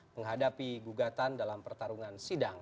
menghadapi gugatan dalam pertarungan sidang